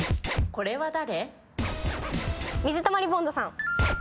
これは誰？